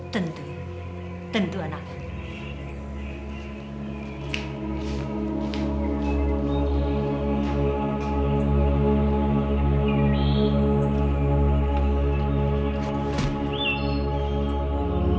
tentu tentu anakku